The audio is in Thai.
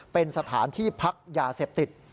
เป็นสถานที่พักยาเสพติด